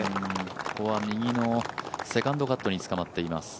ここは右のセカンドにつかまっています。